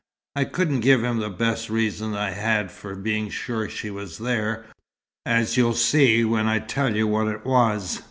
I couldn't give him the best reason I had for being sure she was there, as you'll see when I tell you what it was.